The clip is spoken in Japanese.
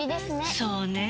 そうねぇ。